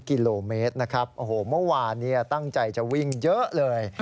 กิโลเมตรนะครับโอ้โหเมื่อวานตั้งใจจะวิ่งเยอะเลย